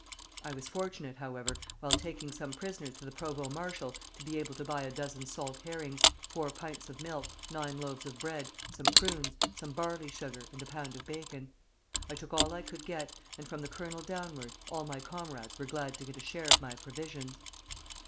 I was fortunate, however, while taking some prisoners to the provost marshal, to be able to buy a dozen salt herrings, four pints of milk, nine loaves of bread, some prunes, some barley sugar, and a pound of bacon. I took all I could get, and from the colonel downward, all my comrades were glad to get a share of my provisions.